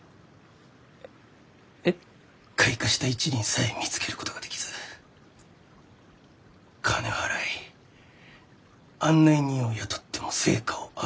開花した一輪さえ見つけることができず金を払い案内人を雇っても成果を上げられず。